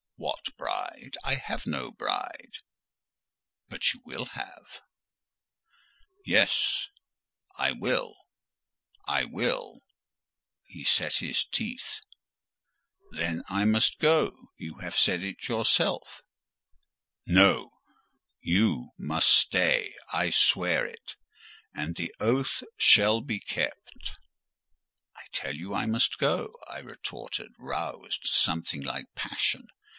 What bride? I have no bride!" "But you will have." "Yes;—I will!—I will!" He set his teeth. "Then I must go:—you have said it yourself." "No: you must stay! I swear it—and the oath shall be kept." "I tell you I must go!" I retorted, roused to something like passion.